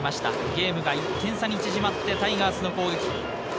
ゲームは１点差に縮まってタイガースの攻撃。